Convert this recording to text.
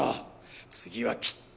次はきっと。